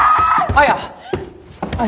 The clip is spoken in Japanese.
綾。